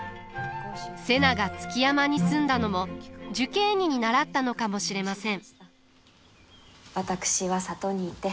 瀬名が築山に住んだのも寿桂尼に倣ったのかもしれません。